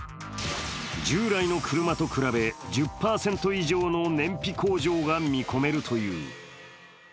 従来の車と比べ１０％以上の燃費向上が見込めるという。